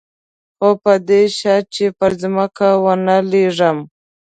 خو په دې شرط چې پر ځمکه ونه لېږم.